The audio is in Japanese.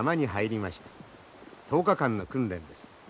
１０日間の訓練です。